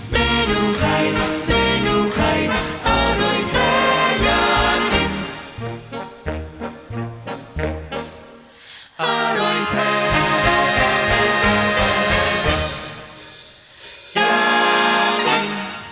เมนูไข่เมนูไข่เมนูไข่เมนูไข่อร่อยแท้อยากกิน